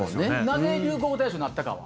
なぜ流行語大賞になったかは？